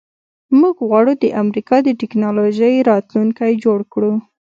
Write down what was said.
موږ غواړو د امریکا د ټیکنالوژۍ راتلونکی جوړ کړو